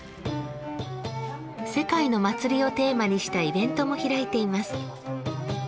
世界の祭りをテーマにしたイベントも開いています。